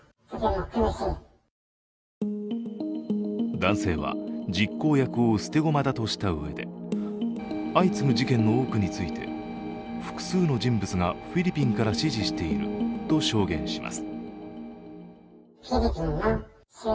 男性は実行役を捨て駒だとしてうえで相次ぐ事件の多くについて複数の人物がフィリピンから指示していると証言します。